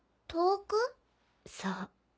そう。